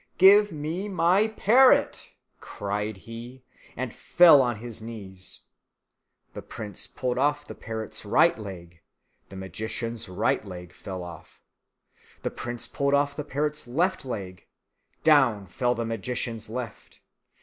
"Give me my parrot!" cried he, and fell on his knees. The prince pulled off the parrot's right leg, the magician's right leg fell off; the prince pulled off the parrot's left leg, down fell the magician's left.